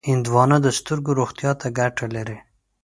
هندوانه د سترګو روغتیا ته ګټه لري.